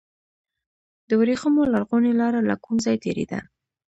د وریښمو لرغونې لاره له کوم ځای تیریده؟